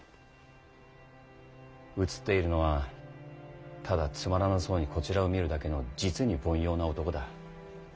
映っているのはただつまらなそうにこちらを見るだけの実に凡庸な男だ。